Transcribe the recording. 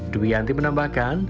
dwi yanti menambahkan